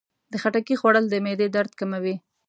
د خټکي خوړل د معدې درد کموي.